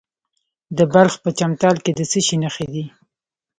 د بلخ په چمتال کې د څه شي نښې دي؟